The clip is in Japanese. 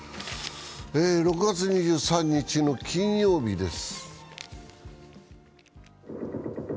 ６月２３日の金曜日です。